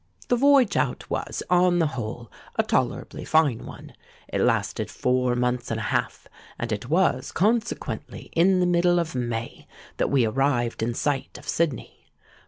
"The voyage out was, on the whole, a tolerably fine one. It lasted four months and a half; and it was, consequently, in the middle of May that we arrived in sight of Sydney.